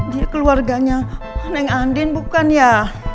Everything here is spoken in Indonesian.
dia keluarganya neng andin bukan ya